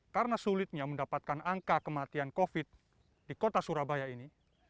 karena sulitnya mendapatkan angka kematian covid di kota surabaya ini